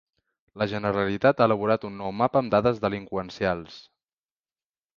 La Generalitat ha elaborat un nou mapa amb dades delinqüencials.